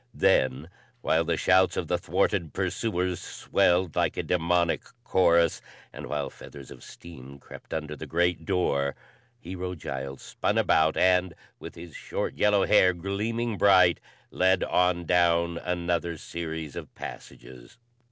Then, while the shouts of the thwarted pursuers swelled like a demonic chorus, and while feathers of steam crept under the great door, Hero Giles spun about and, with his short yellow hair gleaming bright, led on down another series of passages.